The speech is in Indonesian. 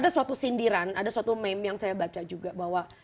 ada suatu sindiran ada suatu meme yang saya baca juga bahwa